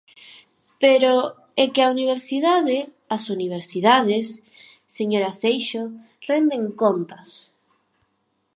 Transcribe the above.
Pero é que a universidade, as universidades, señoras Eixo, renden contas.